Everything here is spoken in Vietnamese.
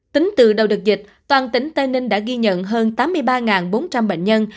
tính từ đầu đợt dịch toàn tỉnh tây ninh đã ghi nhận hơn tám mươi ba bốn trăm linh bệnh nhân